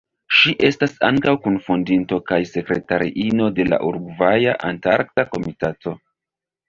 Ŝi estas ankaŭ kun-fondinto kaj sekretariino de la Urugvaja Antarkta Komitato.